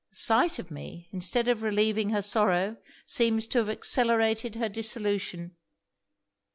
The sight of me, instead of relieving her sorrow seems to have accelerated her dissolution!